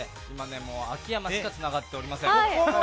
秋山しかつながっておりません。